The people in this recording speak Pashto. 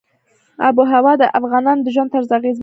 آب وهوا د افغانانو د ژوند طرز اغېزمنوي.